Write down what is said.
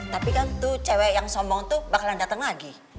tapi kan tuh cewek yang sombong tuh bakalan datang lagi